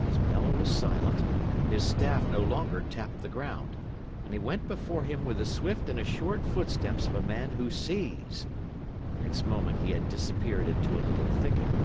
His bell was silent, his staff no longer tapped the ground, and he went before him with the swift and assured footsteps of a man who sees. Next moment he had disappeared into a little thicket.